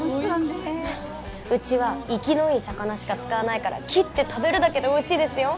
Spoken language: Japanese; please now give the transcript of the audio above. そううちは生きのいい魚しか使わないから切って食べるだけでおいしいですよ